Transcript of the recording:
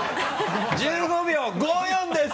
１５秒５４です！